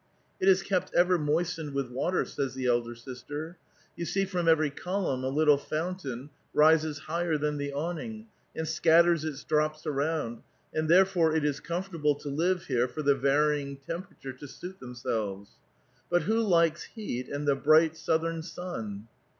"It is kopt ever moistened with water." says the elder sister; "you see from every column a little fountain rises higher than the awning, and scatters its drops around, and therefore it is comfortable to live here for the var3'ing tem perature to suit themselves." " But who likes heat and the bright southern sun?"